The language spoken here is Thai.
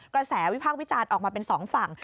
กระแสวิพากษ์วิจารณ์ออกมาเป็นสองฝั่ง